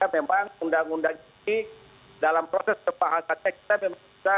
memang undang undang ini dalam proses pembahasannya kita memang bisa